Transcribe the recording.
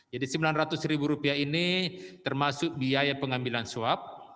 jadi rp sembilan ratus ini termasuk biaya pengambilan swab